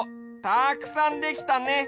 たくさんできたね！